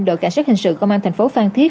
đội cảnh sát hình sự công an thành phố phan thiết